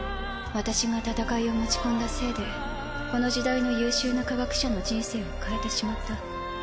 私が戦いを持ち込んだせいでこの時代の優秀な科学者の人生を変えてしまった。